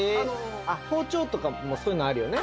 包丁とかもそういうのあるよね。